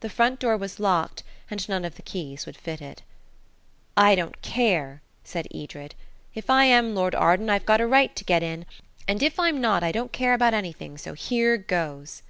The front door was locked, and none of the keys would fit it. "I don't care," said Edred. "If I am Lord Arden I've got a right to get in, and if I'm not I don't care about anything, so here goes."